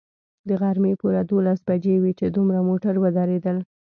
د غرمې پوره دولس بجې وې چې دوه موټر ودرېدل.